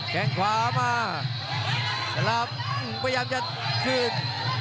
แข้งขวามาฆาตาวุฒิพยานกันขึ้น